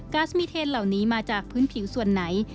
ัสมีเทนเหล่านี้มาจากพื้นผิวส่วนไหน